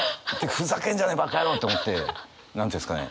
ふざけんじゃねえバカヤロウって思って何て言うんですかね？